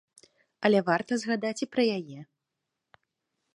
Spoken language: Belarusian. Але варта згадаць і пра яе.